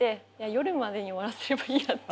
夜までに終わらせればいいやっていう